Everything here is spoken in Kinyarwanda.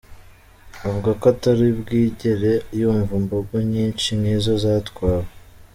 Avuga ko atari bwigere yumva imbogo nyinshi nkizo zatwawe.